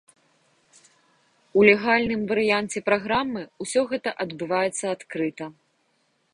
У легальным варыянце праграмы ўсё гэта адбываецца адкрыта.